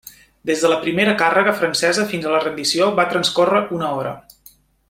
Des de la primera càrrega francesa fins a la rendició va transcórrer una hora.